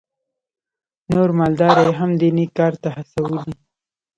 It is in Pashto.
نور مالداره یې هم دې نېک کار ته هڅولي.